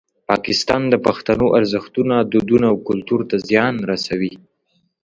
پاکستان د پښتنو ارزښتونه، دودونه او کلتور ته زیان رسوي.